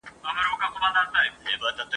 زه دي ستا لپاره غواړم نور مي نسته غرضونه !.